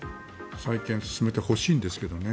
再建進めてほしいんですけどね。